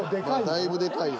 だいぶでかいよ。